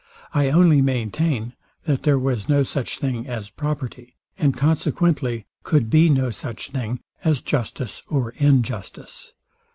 I only maintain, that there was no such thing as property; and consequently could be no such thing as justice or injustice.